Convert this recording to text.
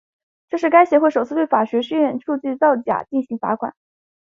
这是该协会首次对法学院数据造假进行罚款。